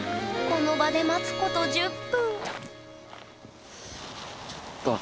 この場で待つこと１０分